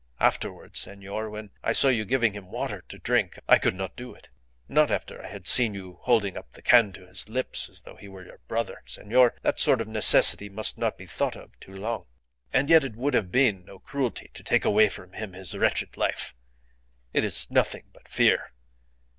Afterwards, senor, when I saw you giving him water to drink, I could not do it. Not after I had seen you holding up the can to his lips as though he were your brother. Senor, that sort of necessity must not be thought of too long. And yet it would have been no cruelty to take away from him his wretched life. It is nothing but fear.